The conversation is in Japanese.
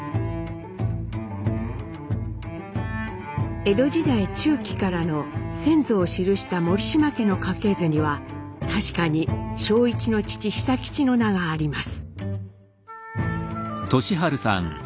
江戸時代中期からの先祖を記した森島家の家系図には確かに正一の父久吉の名があります。